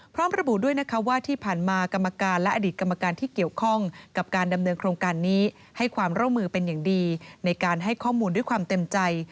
พร้อมระบุด้วยนะคะว่าที่ผ่านมากรรมการและอดีตกรรมการที่เกี่ยวข้องกับการดำเนินโครงการนี้ให้ความร่วมมือเป็นอย่างดีในการให้ข้อมูลด้วยความเต็มใจ